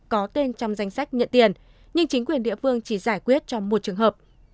có tên trong danh sách nhận tiền nhưng chính quyền địa phương chỉ giải quyết cho một trường hợp